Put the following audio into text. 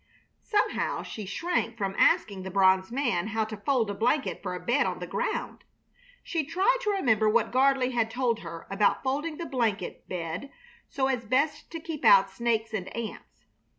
Somehow she shrank from asking the bronze man how to fold a blanket for a bed on the ground. She tried to remember what Gardley had told her about folding the blanket bed so as best to keep out snakes and ants.